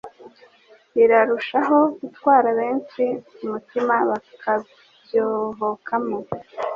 birarushaho gutwara benshi umutima bakabyohokaho